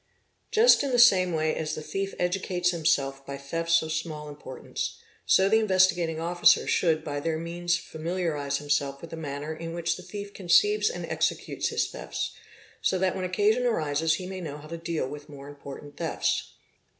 _ Just in the same way as the thief educates himself by thefts of small importance, so the Investigating Officer should by their means familiarise himself with the manner in which the thief conceives and executes his thefts, so that when occasion arises he may know how to deal with more important thefts.